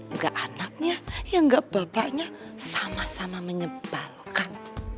nggak anaknya ya nggak bapaknya sama sama menyebalkan